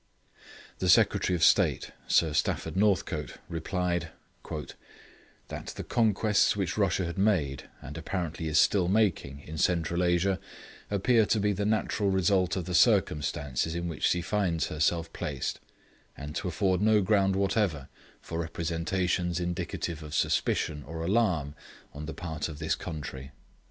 The Secretary of State (Sir Stafford Northcote) replied 'that the conquests which Russia had made, and apparently is still making, in Central Asia, appear to be the natural result of the circumstances in which she finds herself placed, and to afford no ground whatever for representations indicative of suspicion or alarm on the part of this country.'